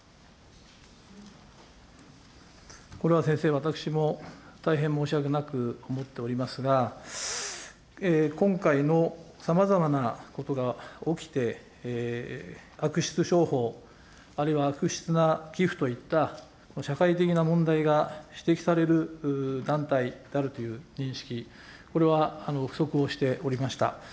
これは先生、私も大変申し訳なく思っておりますが、今回のさまざまなことが起きて、悪質商法、あるいは悪質な寄付といった、社会的な問題が指摘される団体であるという認識、これは不足をしておりました。